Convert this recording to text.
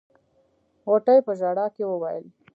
غوټۍ په ژړا کې وويل.